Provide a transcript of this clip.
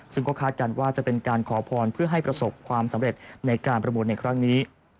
ซึ่งก็คาดกันว่าจะเป็นการขอพรเพื่อให้ประสบความสำเร็จในการประมูลในครั้งนี้